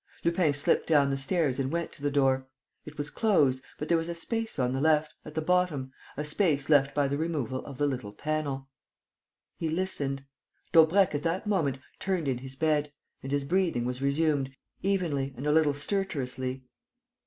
Lupin slipped down the stairs and went to the door. It was closed, but there was a space on the left, at the bottom, a space left by the removal of the little panel. He listened. Daubrecq, at that moment, turned in his bed; and his breathing was resumed, evenly and a little stertorously.